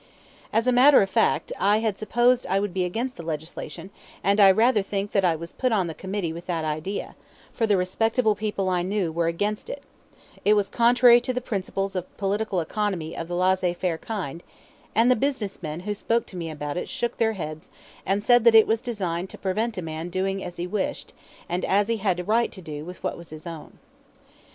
As a matter of fact, I had supposed I would be against the legislation, and I rather think that I was put on the committee with that idea, for the respectable people I knew were against it; it was contrary to the principles of political economy of the laissez faire kind; and the business men who spoke to me about it shook their heads and said that it was designed to prevent a man doing as he wished and as he had a right to do with what was his own.